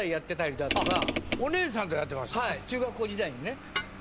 中学校時代にね。